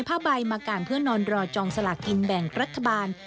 ผ้าใบมากางเพื่อนอนรอจองสลากกินแบ่งรัฐบาล